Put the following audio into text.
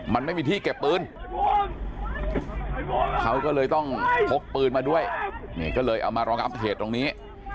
มันไม่มีที่เก็บปืนเขาก็เลยต้องพกปืนมาด้วยนี่ก็เลยเอามารองับเหตุตรงนี้